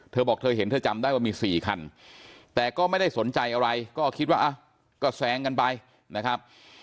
เธอบอกเธอเห็นเธอจำได้ว่ามี๔คันแต่ก็ไม่ได้สนใจอะไรก็คิดว่าก็แซงกันไปนะครับ